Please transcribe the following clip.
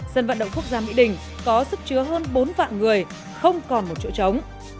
sân vận động quốc gia mỹ đình có sức chứa hơn bốn vạn người không còn một chỗ trống